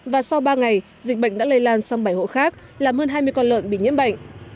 và sau ba ngày dịch bệnh đã lây lan sang bảy hộ khác làm hơn hai mươi con lợn bị nhiễm bệnh